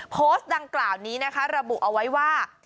โพสต์ดังกล่าวนี้นะคะระบุเอาไว้ว่า